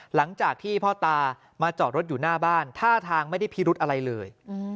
หลังจากที่พ่อตามาจอดรถอยู่หน้าบ้านท่าทางไม่ได้พิรุธอะไรเลย